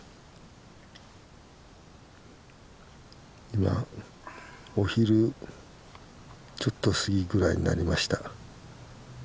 今お昼ちょっと過ぎぐらいになりました。